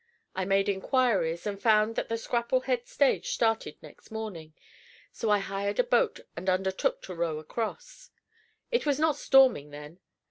I made inquiries, and found that the Scrapplehead stage started next morning, so I hired a boat and undertook to row across. It was not storming then.